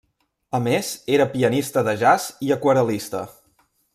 A més era pianista de jazz i aquarel·lista.